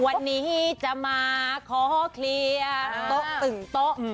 วันนี้จะมาขอเคลียร์ตกตึงตก